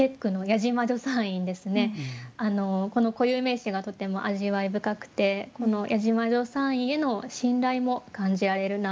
この固有名詞がとても味わい深くてこの「矢島助産院」への信頼も感じられるなと思いました。